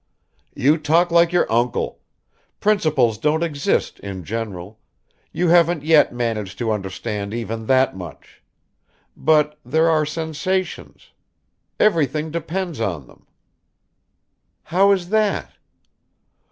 "You talk like your uncle. Principles don't exist in general you haven't yet managed to understand even that much! but there are sensations. Everything depends on them." "How is that?"